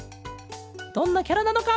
どんなキャラなのか？